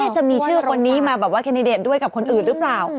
จะมีชื่อคนนี้มาแบบว่าแคนดิเดตด้วยกับคนอื่นหรือเปล่า